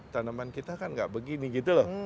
tanaman kita kan nggak begini gitu loh